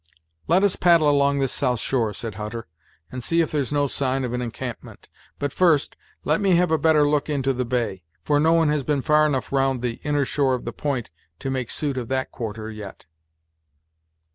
"Let us paddle along this south shore," said Hutter, "and see if there's no sign of an encampment; but, first, let me have a better look into the bay, for no one has been far enough round the inner shore of the point to make suit of that quarter yet."